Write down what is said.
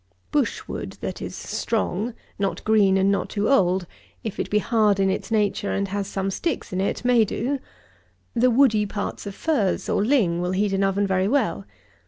Bush wood that is strong, not green and not too old, if it be hard in its nature and has some sticks in it, may do. The woody parts of furze, or ling, will heat an oven very well.